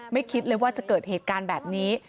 คิดเลยว่าจะเกิดเหตุการณ์แบบนี้